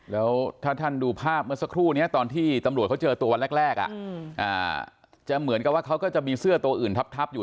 แล้วถ้าท่านดูภาพเมื่อสักครู่นี้ตอนที่ตำรวจเขาเจอตัววันแรกจะเหมือนกับว่าเขาก็จะมีเสื้อตัวอื่นทับอยู่